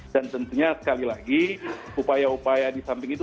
dan tentunya sekali lagi upaya upaya di samping itu